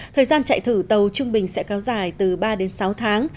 thời gian chạy thử tàu trung bình sẽ kéo dài từ ba đến sáu tháng